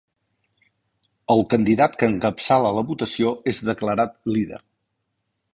El candidat que encapçala la votació és declarat líder.